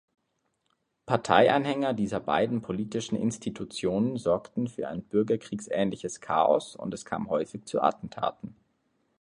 Parteianhänger dieser beiden politischen Institutionen sorgten für ein bürgerkriegsähnliches Chaos, und es kam häufig zu Attentaten.